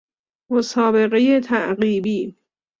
مسابقه تعقیبی